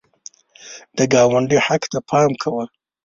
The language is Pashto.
د ګاونډي حق ته پام کوه